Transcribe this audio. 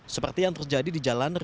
seperti yang terjadi di jalan republik